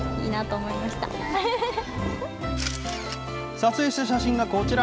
撮影した写真がこちら。